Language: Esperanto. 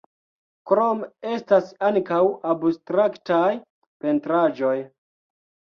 Krome, estas ankaŭ abstraktaj pentraĵoj.